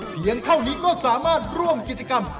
เพียงเท่านี้ก็สามารถร่วมกิจกรรม